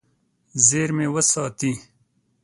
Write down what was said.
زیرمې وساتي.